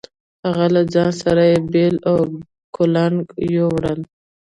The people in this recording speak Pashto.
هغه له ځان سره بېل او کُلنګ يو وړل.